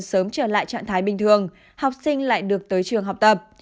sớm trở lại trạng thái bình thường học sinh lại được tới trường học tập